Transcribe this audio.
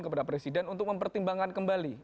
kepada presiden untuk mempertimbangkan kembali